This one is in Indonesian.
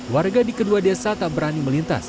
warga di kedua desa tak berani melintas